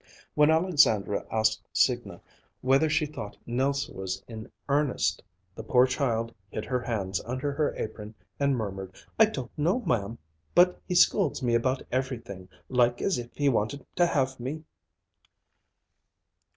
When Alexandra asked Signa whether she thought Nelse was in earnest, the poor child hid her hands under her apron and murmured, "I don't know, ma'm. But he scolds me about everything, like as if he wanted to have me!"